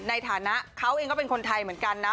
ในฐานะเขาเองก็เป็นคนไทยเหมือนกันนะ